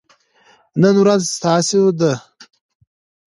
نن ورځ ستاسو ده.